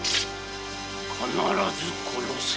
必ず殺せ！